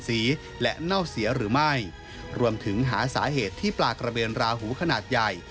สีและเน่าเสียหรือไม่รวมถึงหาสาเหตุที่ปลากระเบนราหูขนาดใหญ่